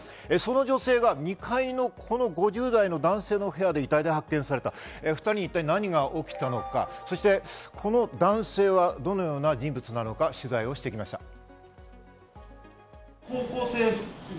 その女性が２階のこの５０代の男性の部屋で遺体で発見された２人に一体何が起きたのか、そしてこの男性はどのような人物なのか、取材をしてきました。